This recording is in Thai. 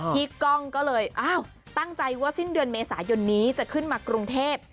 ก้องก็เลยอ้าวตั้งใจว่าสิ้นเดือนเมษายนนี้จะขึ้นมากรุงเทพ